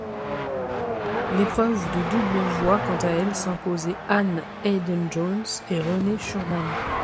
L'épreuve de double voit quant à elle s'imposer Ann Haydon-Jones et Renee Schuurman.